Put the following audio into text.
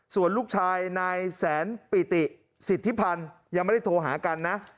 ส่วนลูกชายนายแสนปิติสิทธิพันธ์ยังไม่ได้โทรหากันนะ